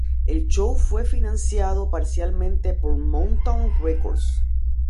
El show fue financiado parcialmente por Motown Records.